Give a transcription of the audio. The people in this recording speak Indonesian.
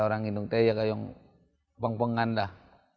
orang nginum teh ya kayak yang peng pengan lah